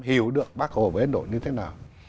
hiểu được bắc hồ và ấn độ như thế nào